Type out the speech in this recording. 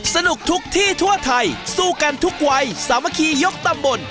สนุกทุกที่ทั่วไทยสู้กันทุกวัยสามัคคียกตำบล